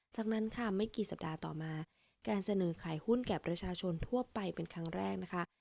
จากนั้นค่ะไม่กี่สัปดาห์ต่อมาการเสนอขายหุ้นแก่ประชาชนทั่วไปเป็นครั้งแรกนะคะ